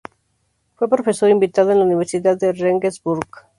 Fue profesor invitado en la Universidad de Regensburg.